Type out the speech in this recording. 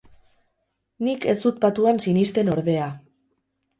Nik ez dut patuan sinisten, ordea.